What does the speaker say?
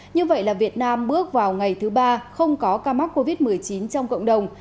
như vậy là việt nam bước vào ngày thứ ba không có ca mắc covid một mươi chín trong cộng đồng